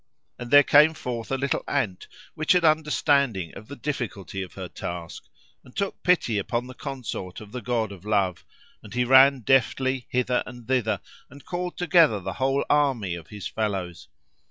And there came forth a little ant, which had understanding of the difficulty of her task, and took pity upon the consort of the god of Love; and he ran deftly hither and thither, and called together the whole army of his fellows.